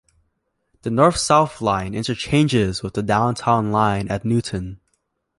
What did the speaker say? The North South Line interchanges with the Downtown Line at Newton.